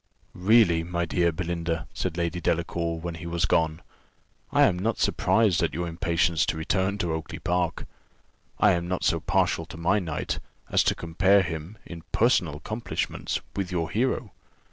"Really, my dear Belinda," said Lady Delacour, when he was gone, "I am not surprised at your impatience to return to Oakly park; I am not so partial to my knight, as to compare him, in personal accomplishments, with your hero.